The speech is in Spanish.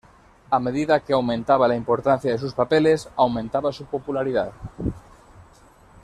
A medida que aumentaba la importancia de sus papeles, aumentaba su popularidad.